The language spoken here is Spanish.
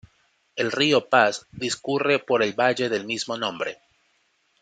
El rio Pas discurre por el valle del mismo nombre